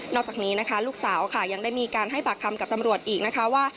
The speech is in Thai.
นอกจากนี้ลูกสาวยังได้มีการให้บักคำกับตำรวจอีกว่า